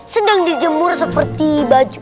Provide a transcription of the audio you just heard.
sedang dijemur seperti baju